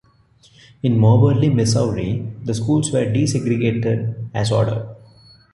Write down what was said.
In Moberly, Missouri, the schools were desegregated, as ordered.